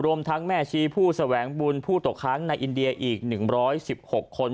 ทั้งแม่ชีผู้แสวงบุญผู้ตกค้างในอินเดียอีก๑๑๖คน